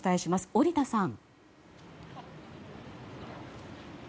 織田さん。